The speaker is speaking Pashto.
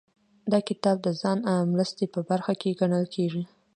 دا کتاب د ځان مرستې په برخه کې ګڼل کیږي.